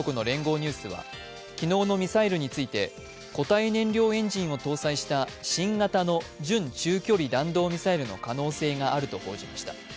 ニュースは、昨日のミサイルについて固体燃料エンジンを搭載した新型の準中距離弾道ミサイルの可能性があると報じました。